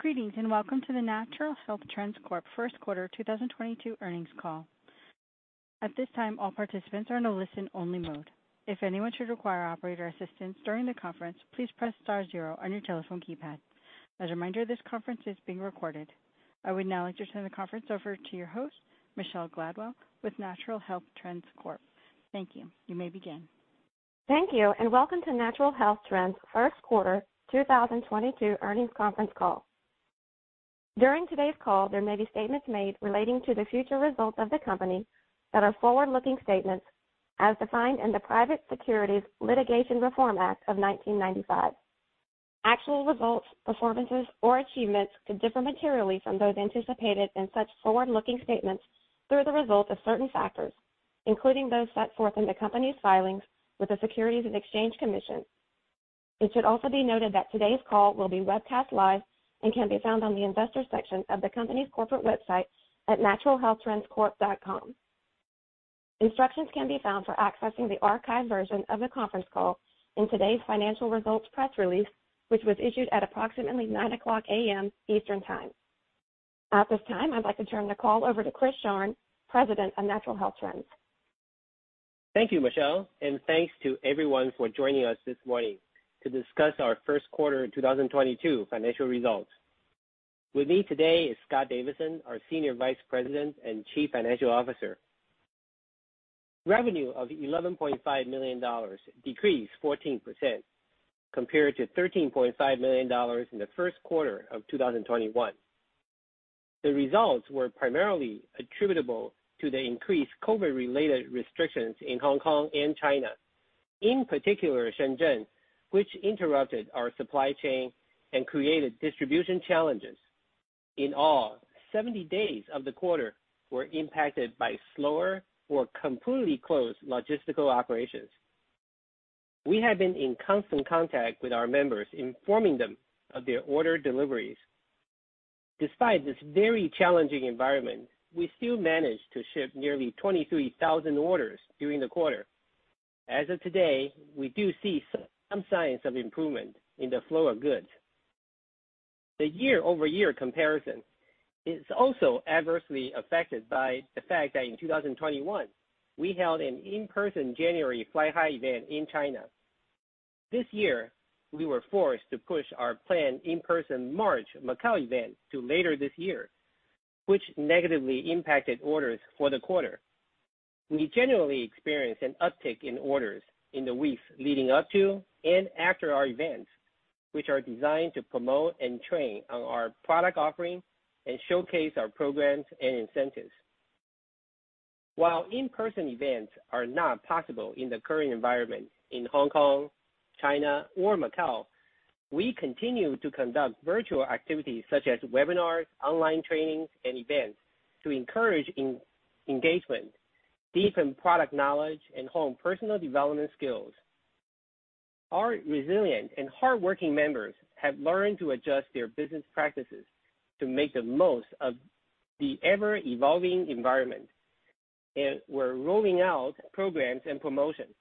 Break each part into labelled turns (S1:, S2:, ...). S1: Greetings. Welcome to the Natural Health Trends Corp. First Quarter 2022 Earnings Call. At this time, all participants are in a listen-only mode. If anyone should require operator assistance during the conference, please press star zero on your telephone keypad. As a reminder, this conference is being recorded. I would now like to turn the conference over to your host, Michelle Glidewell with Natural Health Trends Corp. Thank you. You may begin.
S2: Thank you, and welcome to Natural Health Trends First Quarter 2022 Earnings Conference Call. During today's call, there may be statements made relating to the future results of the company that are forward-looking statements as defined in the Private Securities Litigation Reform Act of 1995. Actual results, performances, or achievements could differ materially from those anticipated in such forward-looking statements through the result of certain factors, including those set forth in the company's filings with the Securities and Exchange Commission. It should also be noted that today's call will be webcast live and can be found on the investors section of the company's corporate website at naturalhealthtrendscorp.com. Instructions can be found for accessing the archived version of the conference call in today's financial results press release, which was issued at approximately 9:00 A.M. Eastern Time. At this time, I'd like to turn the call over to Chris Sharng, President of Natural Health Trends.
S3: Thank you, Michelle, and thanks to everyone for joining us this morning to discuss our first quarter 2022 financial results. With me today is Scott Davidson, our Senior Vice President and Chief Financial Officer. Revenue of $11.5 million decreased 14% compared to $13.5 million in the first quarter of 2021. The results were primarily attributable to the increased COVID-related restrictions in Hong Kong and China, in particular Shenzhen, which interrupted our supply chain and created distribution challenges. In all, 70 days of the quarter were impacted by slower or completely closed logistical operations. We have been in constant contact with our members, informing them of their order deliveries. Despite this very challenging environment, we still managed to ship nearly 23,000 orders during the quarter. As of today, we do see some signs of improvement in the flow of goods. The year-over-year comparison is also adversely affected by the fact that in 2021, we held an in-person January Fly High event in China. This year, we were forced to push our planned in-person March Macau event to later this year, which negatively impacted orders for the quarter. We generally experience an uptick in orders in the weeks leading up to and after our events, which are designed to promote and train on our product offerings and showcase our programs and incentives. While in-person events are not possible in the current environment in Hong Kong, China, or Macau, we continue to conduct virtual activities such as webinars, online trainings, and events to encourage engagement, deepen product knowledge, and hone personal development skills. Our resilient and hardworking members have learned to adjust their business practices to make the most of the ever-evolving environment. We're rolling out programs and promotions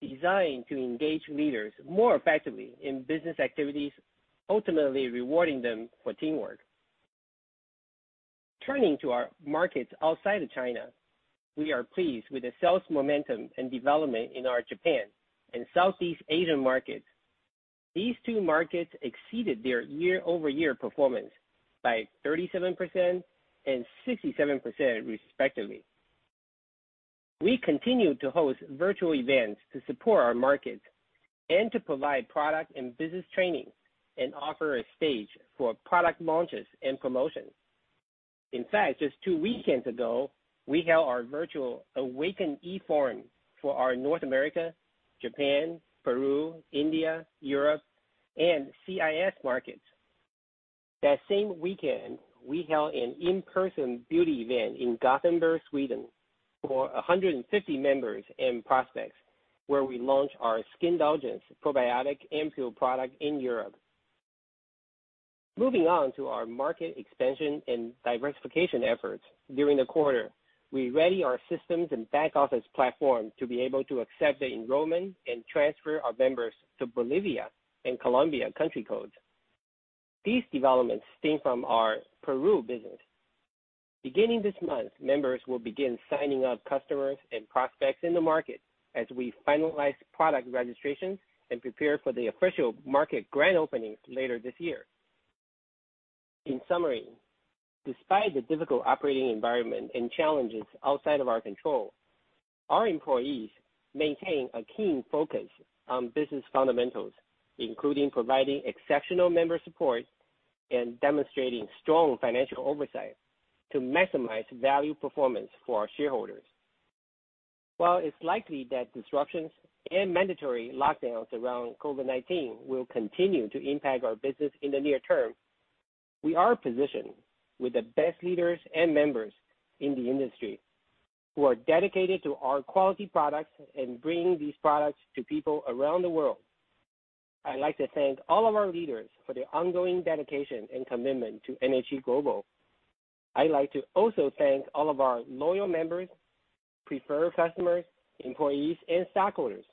S3: designed to engage leaders more effectively in business activities, ultimately rewarding them for teamwork. Turning to our markets outside of China, we are pleased with the sales momentum and development in our Japan and Southeast Asian markets. These two markets exceeded their year-over-year performance by 37% and 67% respectively. We continue to host virtual events to support our markets and to provide product and business training and offer a stage for product launches and promotions. In fact, just two weekends ago, we held our virtual Awaken eForum for our North America, Japan, Peru, India, Europe, and CIS markets. That same weekend, we held an in-person beauty event in Gothenburg, Sweden, for 150 members and prospects, where we launched our Skindulgence Probiotic Ampoule product in Europe. Moving on to our market expansion and diversification efforts. During the quarter, we readied our systems and back-office platform to be able to accept the enrollment and transfer our members to Bolivia and Colombia country codes. These developments stem from our Peru business. Beginning this month, members will begin signing up customers and prospects in the market as we finalize product registrations and prepare for the official market grand openings later this year. In summary, despite the difficult operating environment and challenges outside of our control, our employees maintain a keen focus on business fundamentals, including providing exceptional member support and demonstrating strong financial oversight to maximize value performance for our shareholders. While it's likely that disruptions and mandatory lockdowns around COVID-19 will continue to impact our business in the near term, we are positioned with the best leaders and members in the industry who are dedicated to our quality products and bringing these products to people around the world. I'd like to thank all of our leaders for their ongoing dedication and commitment to NHT Global. I'd like to also thank all of our loyal members, preferred customers, employees, and stockholders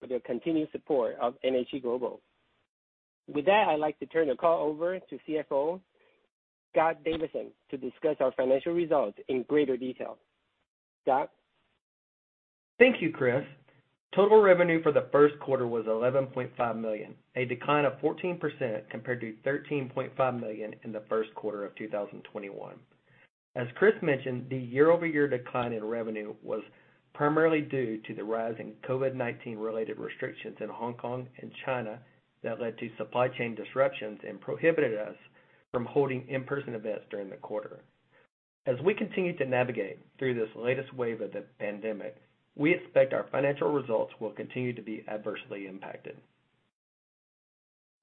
S3: for their continued support of NHT Global. With that, I'd like to turn the call over to CFO Scott Davidson to discuss our financial results in greater detail. Scott?
S4: Thank you, Chris. Total revenue for the first quarter was $11.5 million, a decline of 14% compared to $13.5 million in the first quarter of 2021. As Chris mentioned, the year-over-year decline in revenue was primarily due to the rise in COVID-19 related restrictions in Hong Kong and China that led to supply chain disruptions and prohibited us from holding in-person events during the quarter. As we continue to navigate through this latest wave of the pandemic, we expect our financial results will continue to be adversely impacted.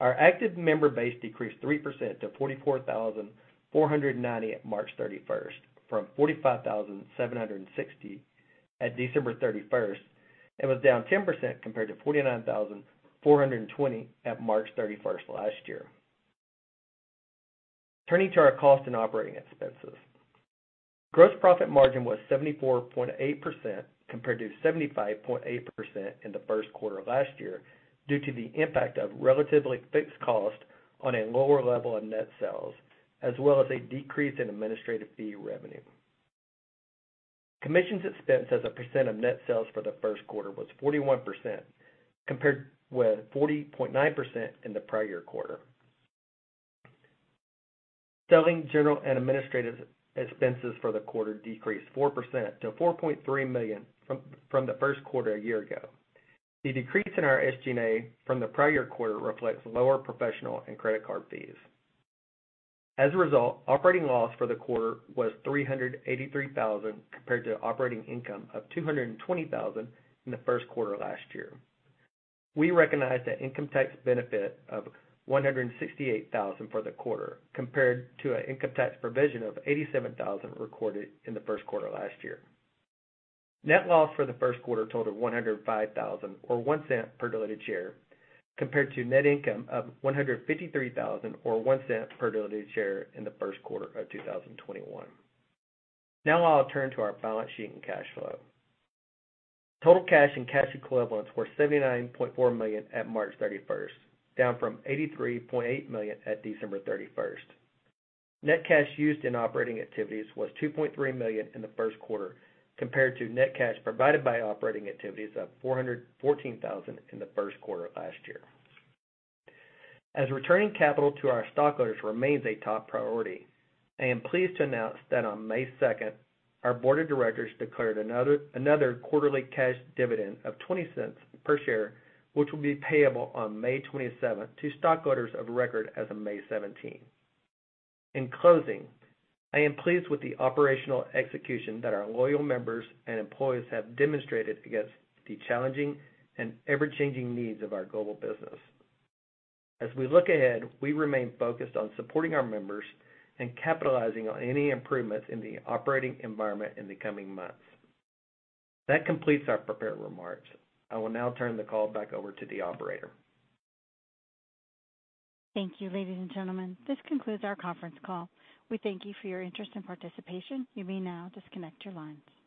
S4: Our active member base decreased 3% to 44,490 at March 31st, from 45,760 at December 31st, and was down 10% compared to 49,420 at March 31 last year. Turning to our cost and operating expenses. Gross profit margin was 74.8% compared to 75.8% in the first quarter of last year due to the impact of relatively fixed cost on a lower level of net sales, as well as a decrease in administrative fee revenue. Commissions expense as a percent of net sales for the first quarter was 41%, compared with 40.9% in the prior quarter. Selling, general, and administrative expenses for the quarter decreased 4% to $4.3 million from the first quarter a year ago. The decrease in our SG&A from the prior quarter reflects lower professional and credit card fees. As a result, operating loss for the quarter was $383,000 compared to operating income of $220,000 in the first quarter last year. We recognized an income tax benefit of $168,000 for the quarter, compared to an income tax provision of $87,000 recorded in the first quarter last year. Net loss for the first quarter totaled $105,000 or $0.01 per diluted share, compared to net income of $153,000 or $0.01 per diluted share in the first quarter of 2021. Now I'll turn to our balance sheet and cash flow. Total cash and cash equivalents were $79.4 million at March 31st, down from $83.8 million at December 31st. Net cash used in operating activities was $2.3 million in the first quarter, compared to net cash provided by operating activities of $414,000 in the first quarter of last year. As returning capital to our stockholders remains a top priority, I am pleased to announce that on May 2nd, our board of directors declared another quarterly cash dividend of $0.20 per share, which will be payable on May 27th to stockholders of record as of May 17th. In closing, I am pleased with the operational execution that our loyal members and employees have demonstrated against the challenging and ever-changing needs of our global business. As we look ahead, we remain focused on supporting our members and capitalizing on any improvements in the operating environment in the coming months. That completes our prepared remarks. I will now turn the call back over to the operator.
S1: Thank you, ladies and gentlemen. This concludes our conference call. We thank you for your interest and participation. You may now disconnect your lines.